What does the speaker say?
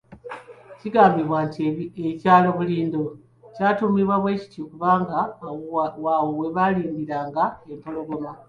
Kigambibwa nti ekyalo Bulindo ky'atuumibwa bwe kityo kubanga awo we baalindiranga empologoma.